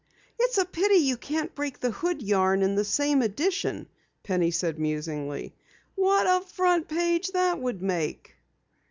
"It's a pity you can't break the Hood yarn in the same edition," Penny said musingly. "What a front page that would make!"